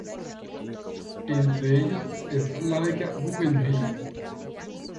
Entre ellos están la Beca Guggenheim.